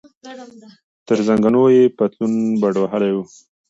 تر زنګنو یې پتلون بډ وهلی و.